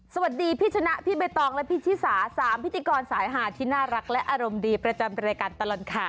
พี่ชนะพี่ใบตองและพี่ชิสา๓พิธีกรสายหาดที่น่ารักและอารมณ์ดีประจำรายการตลอดข่าว